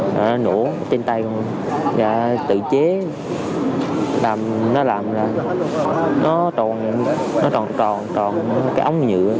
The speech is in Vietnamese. rồi nó nổ trên tay con và tự chế nó làm là nó tròn tròn tròn cái ống nhựa